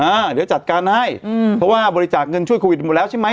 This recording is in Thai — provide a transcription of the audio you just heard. อ่าเดี๋ยวจัดการให้อืมเพราะว่าบริจาคเงินช่วยโควิดหมดแล้วใช่ไหม